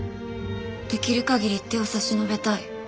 出来る限り手を差し伸べたい。